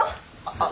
あっ。